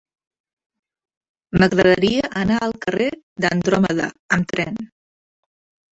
M'agradaria anar al carrer d'Andròmeda amb tren.